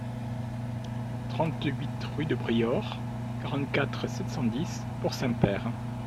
trente-huit rue de Briord, quarante-quatre, sept cent dix, Port-Saint-Père